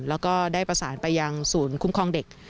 แล้วก็ได้ประสานไปยังศูนย์คุ้มครองเด็ก